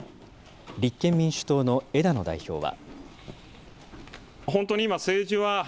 立憲民主党の枝野代表は。